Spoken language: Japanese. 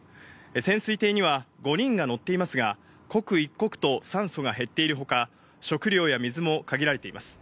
潜水艇には５人が乗っていますが、刻一刻と酸素が減っている他、食料や水も限られています。